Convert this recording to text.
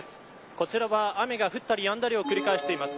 こちらは雨が降ったりやんだりを繰り返しています。